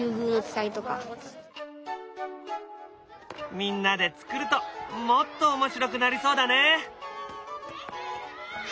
みんなで作るともっと面白くなりそうだね！